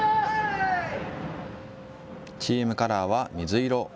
チームカラーは水色。